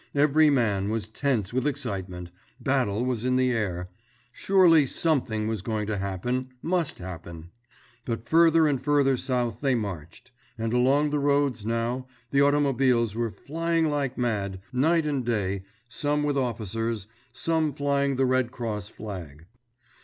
Every man was tense with excitement—battle was in the air—surely something was going to happen, must happen! But further and further south they marched; and along the roads, now, the automobiles were flying like mad, night and day, some with officers, some flying the Red Cross flag.